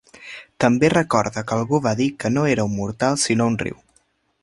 També recorda que algú va dir que no era un mortal sinó un riu.